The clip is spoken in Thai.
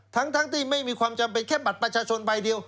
ทั้งที่ไม่มีความจำเป็นแค่บัตรประชาชนใบเดียว